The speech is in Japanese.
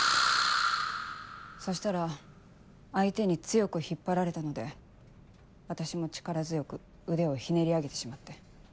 そしたら相手に強く引っ張られたので私も力強く腕をひねり上げてしまって。